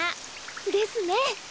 ですね！